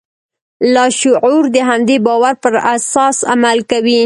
لاشعور د همدې باور پر اساس عمل کوي